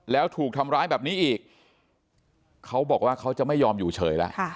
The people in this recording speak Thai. แล้วถูกทำร้ายแบบนี้อีกเขาบอกว่าเขาจะไม่ยอมอยู่เฉยแล้ว